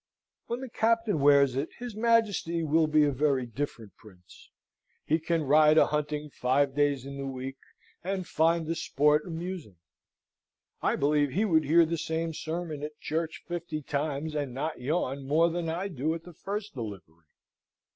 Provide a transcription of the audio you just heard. When the captain wears it his Majesty will be a very different Prince. He can ride a hunting five days in the week, and find the sport amusing. I believe he would hear the same sermon at church fifty times, and not yawn more than I do at the first delivery.